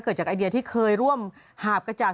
เกิดจากไอเดียที่เคยร่วมหาบกระจ่าง